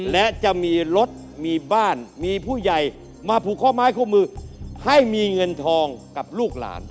และจะมีรถมีบ้านมีผู้ใหญ่มาผูกข้อไม้ข้อมือให้มีเงินทองกับลูกหลาน